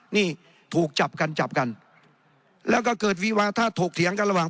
นี่ถูกจับกันจับกันแล้วก็เกิดวีวาธาตุถกเถียงกันระหว่าง